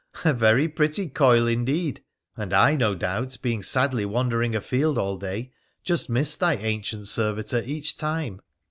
' A very pretty coil indeed !— and I, no doubt, being sadly wandering afield all day, just missed thy ancient servitor each time.'